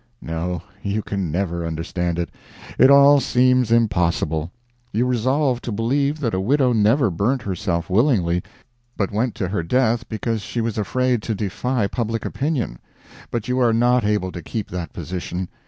No you can never understand it. It all seems impossible. You resolve to believe that a widow never burnt herself willingly, but went to her death because she was afraid to defy public opinion. But you are not able to keep that position.